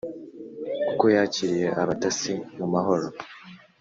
Kuko yakiriye abatasi mu mahoro